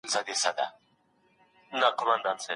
ډاکټره اوږده پاڼه نه ړنګوي.